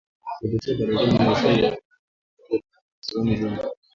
kupitia Barazani na Swali la Leo ,Maswali na Majibu na Salamu Zenu